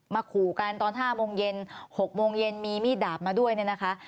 ขู่กันตอน๕โมงเย็น๖โมงเย็นมีมีดดาบมาด้วยเนี่ยนะคะ